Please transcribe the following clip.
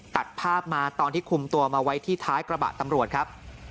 ตัดภาพมาตอนที่คุมตัวมาไว้ที่ท้ายกระบะตำรวจครับ